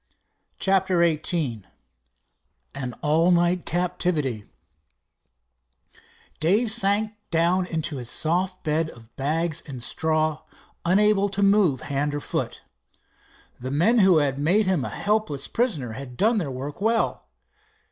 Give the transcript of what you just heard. CHAPTER XVIII AN ALL NIGHT CAPTIVITY Dave sank down in his soft bed of bags and straw, unable to move hand or foot. The men who had made him a helpless prisoner had done their work well.